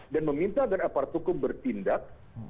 dan meminta agar aparat hukum bertindak